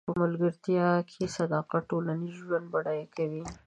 په ملګرتیا کې صداقت ټولنیز ژوند بډای کوي.